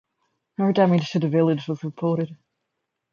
No damage to the village was reported.